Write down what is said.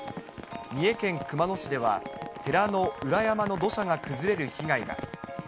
三重県熊野市では、寺の裏山の土砂が崩れる被害が。